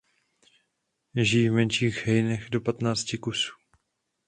Žijí v menších hejnech do patnácti kusů.